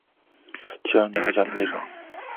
党会议采取强烈帮助青少年和家庭的立场。